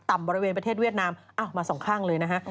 บริเวณประเทศเวียดนามมาสองข้างเลยนะฮะ